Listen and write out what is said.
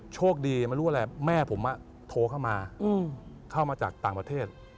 โชคดีไม่รู้อะไรแม่ผมโทรเข้ามาเข้ามาจากต่างประเทศ